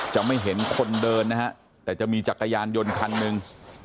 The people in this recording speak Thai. จะไม่เห็นคนเดินนะฮะแต่จะมีจักรยานยนต์คันหนึ่ง